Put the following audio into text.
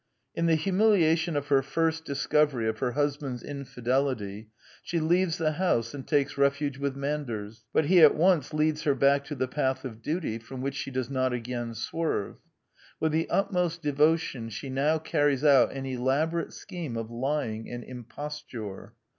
In the humiliation of her first discovery of her hus band's infidelity, she leaves the house and takes refuge with Manders; but he at once leads her back to the path of duty, from which she does not again swerve. With the utmost devotion she now carries out an elaborate scheme of lying and imposture.